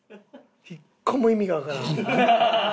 １個も意味がわからん。